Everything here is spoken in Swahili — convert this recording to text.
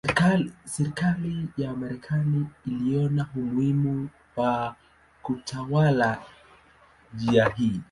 Serikali ya Marekani iliona umuhimu wa kutawala njia hii.